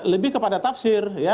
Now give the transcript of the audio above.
lebih kepada tafsir